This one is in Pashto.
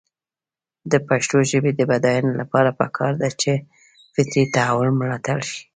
د پښتو ژبې د بډاینې لپاره پکار ده چې فطري تحول ملاتړ شي.